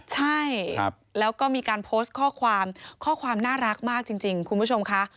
ใช่แล้วก็มีการโพสต์ข้อความข้อความน่ารักมากจริงคุณผู้ชมค่ะ